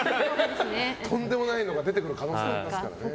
とんでもないのが出てくる可能性ありますから。